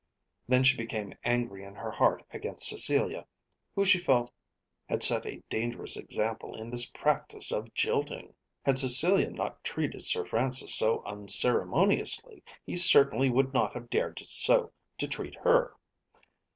Then she became angry in her heart against Cecilia, who she felt had set a dangerous example in this practice of jilting. Had Cecilia not treated Sir Francis so unceremoniously he certainly would not have dared so to treat her.